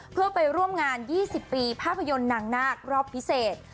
เพื่อไปร่วมงาน๒๐ปีภาพยนตร์นางนาครอบพิเศษ